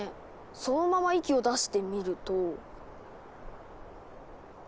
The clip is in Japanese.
そのまま息を出してみると。